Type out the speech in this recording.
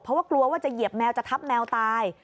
เพราะว่ากลัวว่าจะเหยียบแมวจะทับแมวตาย